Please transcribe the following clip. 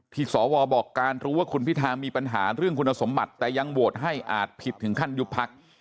สวบอกการรู้ว่าคุณพิธามีปัญหาเรื่องคุณสมบัติแต่ยังโหวตให้อาจผิดถึงขั้นยุบพัก